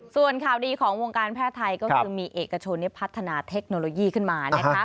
ส่วนข่าวดีของวงการแพทย์ไทยก็คือมีเอกชนพัฒนาเทคโนโลยีขึ้นมานะคะ